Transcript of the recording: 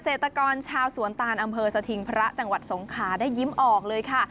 เกษตรกรชาวสวนตานอำเภอสถิงพระจังหวัดสงขาได้ยิ้มออกเลยค่ะ